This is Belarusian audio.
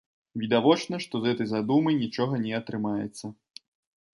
Відавочна, што з гэтай задумы нічога не атрымаецца.